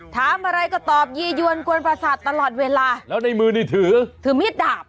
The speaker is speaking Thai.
ถามอะไรก็ตอบยียวนกวนประสาทตลอดเวลาแล้วในมือนี่ถือถือมีดดาบ